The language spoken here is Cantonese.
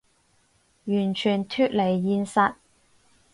完全脫離現實